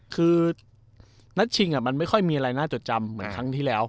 คือนัดชิงมันไม่ค่อยมีอะไรน่าจดจำเหมือนครั้งที่แล้ว